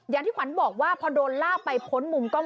อย่างที่ขวัญบอกว่าพอโดนลากไปพ้นมุมกล้อง